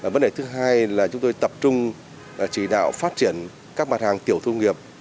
vấn đề thứ hai là chúng tôi tập trung chỉ nào phát triển các mặt hàng tiểu thủ công nghiệp